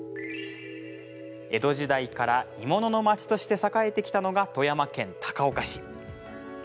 江戸時代から鋳物の町として栄えてきたのが、富山県高岡市。